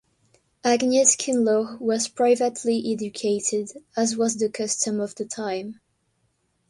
Agnes Kinloch was privately educated, as was the custom of the time.